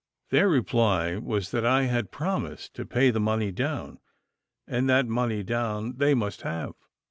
Their reply was I that I had promised to pay the money down, and that money down they must have.